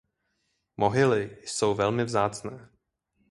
Mohyly jsou velmi vzácné.